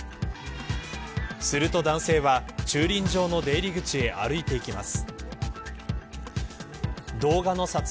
すると男性は駐輪場の出入り口へ歩いていきます。